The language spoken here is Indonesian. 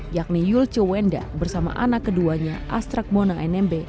yakni yul cewenda bersama anak keduanya astrak mona nmb